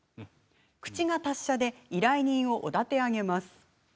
口が達者で依頼人をおだて上げます。